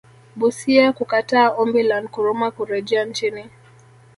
Busia kukataa Ombi la Nkrumah kurejea nchini